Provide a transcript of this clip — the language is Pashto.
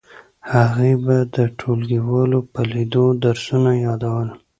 هغې به د ټولګیوالو په لیدو درسونه یادول